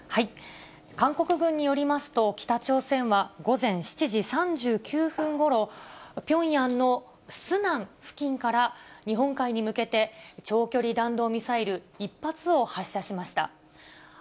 韓国軍によりますと、北朝鮮は午前７時３９分ごろ、ピョンヤンのスナン付近から日本海に向けて、長距離弾道ミサイル１発を発射しました。